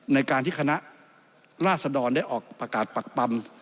ในการที่คณะราษดรได้ออกประกาศปักปำ